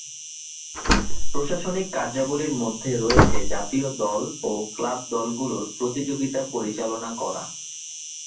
প্রশাসনিক কার্যাবলীর মধ্যে রয়েছে জাতীয় দল ও ক্লাব দলগুলোর প্রতিযোগিতা পরিচালনা করা।